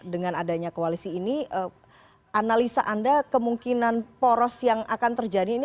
dengan adanya koalisi ini analisa anda kemungkinan poros yang akan terjadi ini